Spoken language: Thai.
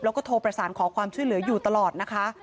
แล้วก็โทรประสานขอความช่วยเหลืออยู่ตลอดนะคะ